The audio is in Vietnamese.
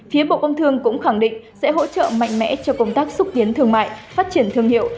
phía bộ công thương cũng khẳng định sẽ hỗ trợ mạnh mẽ cho công tác xúc tiến thương mại phát triển thương hiệu